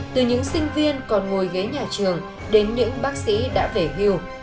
từ những sinh viên còn ngồi ghế nhà trường đến những bác sĩ đã về hưu